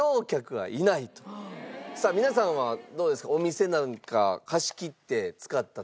さあ皆さんはどうですか？